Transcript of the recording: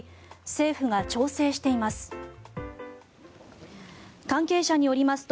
政府が調整しています。